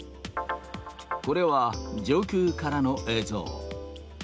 これは上空からの映像。